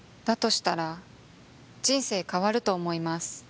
したら人生変わると思います